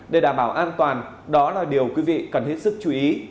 để đảm bảo an toàn đó là điều quý vị cần hết sức chú ý